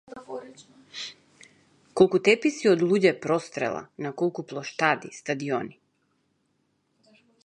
Колку теписи од луѓе прострела, на колку плоштади, стадиони.